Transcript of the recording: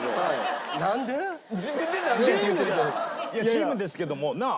チームですけどもなあ？